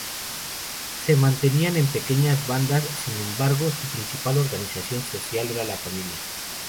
Se mantenían en pequeñas bandas, sin embargo su principal organización social era la familia.